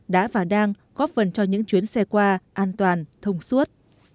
đã và đang góp phần cho những chuyến xe qua an toàn thông suốt